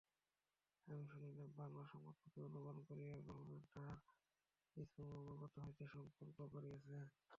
আমি শুনিলাম, বাঙলা সংবাদপত্রের অনুবাদ করিয়া গভর্মেণ্ট তাহার ম্মর্ম অবগত হইতে সংকল্প করিয়াছেন।